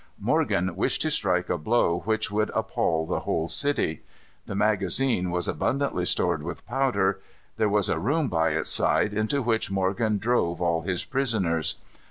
Morgan wished to strike a blow which should appal the whole city. The magazine was abundantly stored with powder. There was a room by its side, into which Morgan drove all his prisoners.